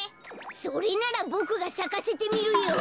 それならボクがさかせてみるよ。